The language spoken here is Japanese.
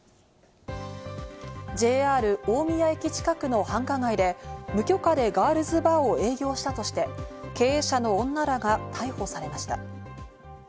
ＪＲ大宮駅近くの繁華街で無許可でガールズバーを営業したとして、経営者の女らが逮捕されました。